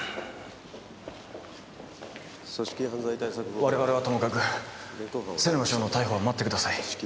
我々はともかく瀬沼翔の逮捕は待ってください。